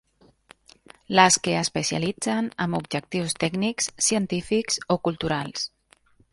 Les que especialitzen amb objectius tècnics, científics o culturals.